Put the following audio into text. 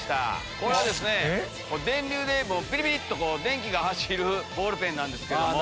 これは電流でビリビリっと電気が走るボールペンなんですけども。